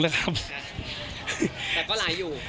แต่มันก็หลายอยู่